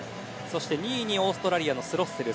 そして２位にオーストラリアのスロッセル。